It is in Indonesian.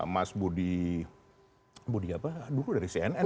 mas budi budi apa dulu dari cnn itu